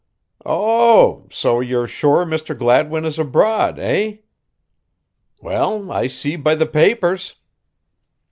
"Oh, so you're sure Mr. Gladwin is abroad, eh?" "Well, I see be the papers."